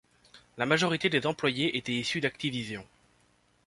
La majorité des employés étaient issus d'Activision.